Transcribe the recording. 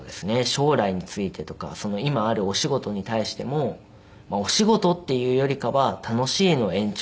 将来についてとか今あるお仕事に対してもお仕事っていうよりかは楽しいの延長みたいな。